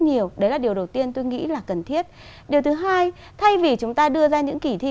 nhiều đấy là điều đầu tiên tôi nghĩ là cần thiết điều thứ hai thay vì chúng ta đưa ra những kỷ thi